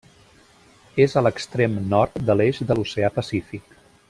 És a l'extrem nord de l'eix de l'oceà Pacífic.